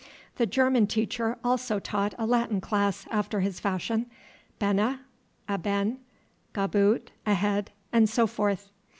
The German teacher also taught a Latin class after his fashion, benna, a ben, gahboot, ahead, and so forth.